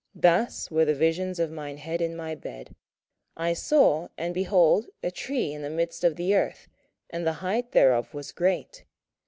27:004:010 Thus were the visions of mine head in my bed; I saw, and behold a tree in the midst of the earth, and the height thereof was great.